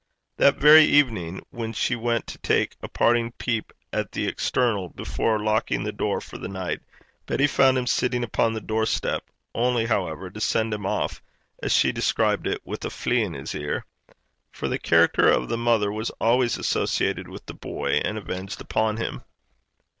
That very evening, when she went to take a parting peep at the external before locking the door for the night, Betty found him sitting upon the door step, only, however, to send him off, as she described it, 'wi' a flech in 's lug (a flea in his ear).' For the character of the mother was always associated with the boy, and avenged upon him.